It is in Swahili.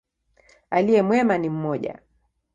Aliye mwema ni mmoja.